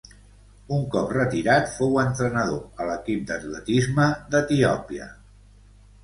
Un cop retirat fou entrenador a l'equip d'atletisme d'Etiòpia.